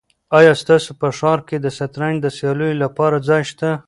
آیا ستاسو په ښار کې د شطرنج د سیالیو لپاره ځای شته؟